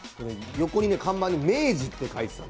横の看板に明治って書いてある。